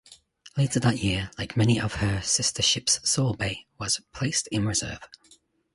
Later that year, like many of her sister-ships, "Solebay" was placed in Reserve.